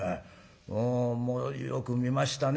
もうよく見ましたね。